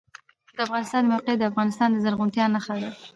د افغانستان د موقعیت د افغانستان د زرغونتیا نښه ده.